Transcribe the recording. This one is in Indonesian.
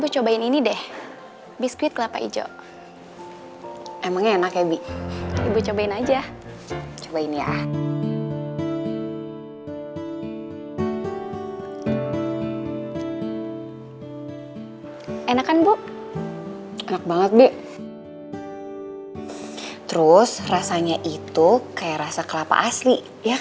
jawab teman untuk meatsan